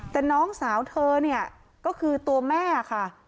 แต่น้องสาวเธอเนี่ยก็คือตัวแม่ค่ะ